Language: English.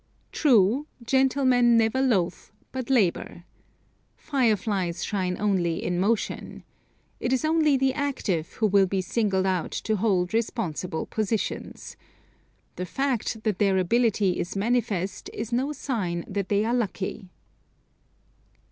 True, gentlemen never loaf, but labor. Fire flies shine only in motion. It is only the active who will be singled out to hold responsible positions. The fact that their ability is manifest is no sign that they are lucky.